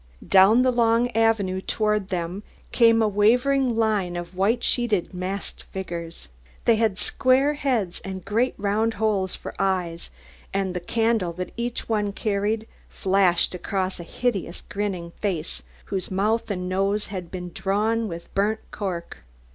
Down the long avenue toward them came a wavering line of white sheeted, masked figures. They had square heads, and great round holes for eyes, and the candle that each one carried flashed across a hideous grinning face, whose mouth and nose had been drawn with burnt cork.